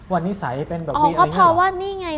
ว่านิสัยเป็นแบบอ๋อเพราะว่านี่ไง